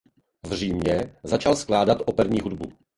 V Římě začal skládat operní hudbu.